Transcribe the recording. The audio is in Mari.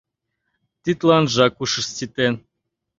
Тидланжак ушышт ситен.